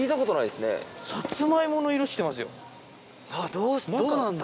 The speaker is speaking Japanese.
どうなんだ？